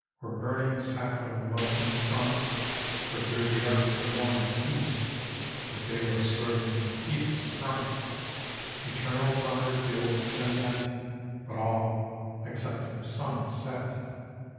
Where burning Sappho loved and sung, Where grew the arts of war and peace, — Where Delos rose and Phcebus sprung! Eternal summer gilds them yet. But all, except their sun, is set.